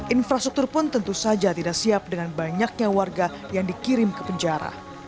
infrastruktur pun tentu saja tidak siap dengan banyaknya warga yang dikirim ke penjara